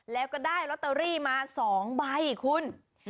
แล้วก็ได้ลอตเตอรี่มา๒ใบคุณ